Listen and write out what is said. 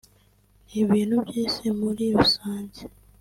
n’ibintu by’Isi muri rusange